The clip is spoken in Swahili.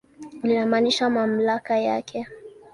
Linamaanisha mamlaka yake.